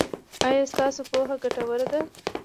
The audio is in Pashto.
ایا ستاسو پوهه ګټوره ده؟